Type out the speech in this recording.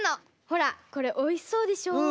ほらこれおいしそうでしょう？